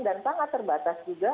dan sangat terbatas juga